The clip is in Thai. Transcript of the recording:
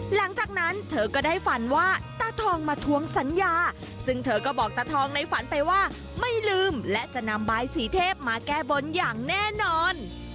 หลังจากนั้นเธอก็ได้ฝันว่าตาทองมาทวงสัญญาซึ่งเธอก็บอกตาทองในฝันไปว่าไม่ลืมและจะนำใบสีเทพมาแก้บนอย่างแน่นอน